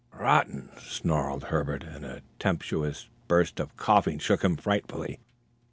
"Rotten!" snarled Herbert, and a tempestuous burst of coughing shook him frightfully.